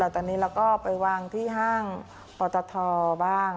ตอนนี้เราก็ไปวางที่ห้างปอตทบ้าง